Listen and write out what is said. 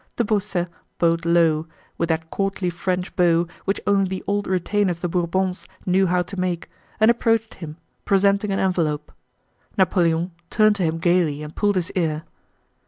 De Beausset bowed low, with that courtly French bow which only the old retainers of the Bourbons knew how to make, and approached him, presenting an envelope. Napoleon turned to him gaily and pulled his ear.